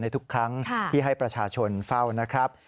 ทุกครั้งที่ให้ประชาชนเฝ้านะครับ